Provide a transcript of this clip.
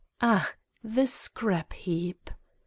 . ah, the scrap heap!